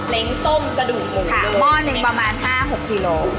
เล้งต้มกระดูกของหมูค่ะมอดเองประมาณ๕๖กิโล